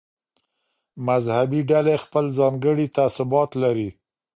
مذهبي ډلې خپل ځانګړي تعصبات لري.